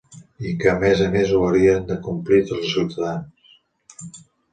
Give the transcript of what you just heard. I que a més a més ho haurien de complir tots els ciutadans.